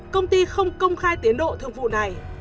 công ty không công khai tiến độ thương vụ này